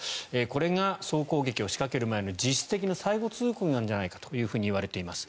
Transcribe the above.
これが総攻撃を仕掛ける前の実質的な最後通告なんじゃないかといわれています。